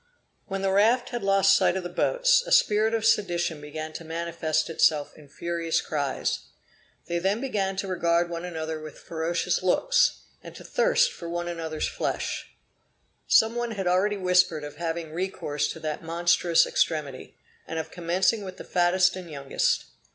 When the raft had lost sight of the boats, a spirit of sedition began to manifest itself in furious cries. They then began to regard one another with ferocious looks, and to thirst for one another's flesh. Some one had already whispered of having recourse to that monstrous extremity, and of commencing with the fattest and youngest.